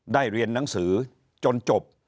เรียนหนังสือจนจบ